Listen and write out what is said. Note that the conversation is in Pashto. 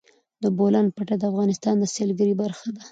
د بولان پټي د افغانستان د سیلګرۍ برخه ده.